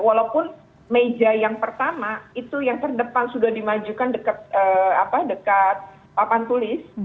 walaupun meja yang pertama itu yang terdepan sudah dimajukan dekat papan tulis